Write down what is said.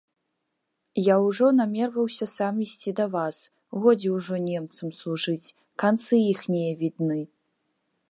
Я ўжо намерваўся сам ісці да вас, годзе ўжо немцам служыць, канцы іхнія відны.